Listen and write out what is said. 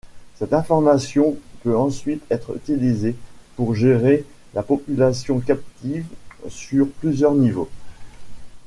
Cette information peut ensuite être utilisée pour gérer la population captive sur plusieurs niveaux.